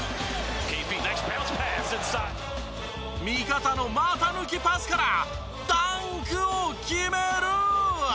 味方の股抜きパスからダンクを決める！